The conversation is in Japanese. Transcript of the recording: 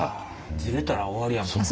ズレたら終わりやもんね。